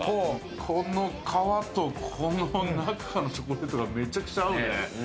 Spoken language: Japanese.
この皮と中のチョコレートがめちゃくちゃ合うね。